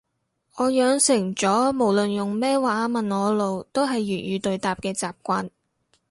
我養成咗無論用咩話問我路都係粵語對答嘅習慣